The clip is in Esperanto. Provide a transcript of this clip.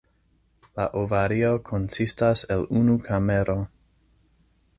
La ovario konsistas el unu kamero.